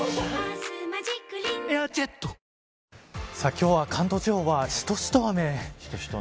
今日は関東地方はしとしと雨。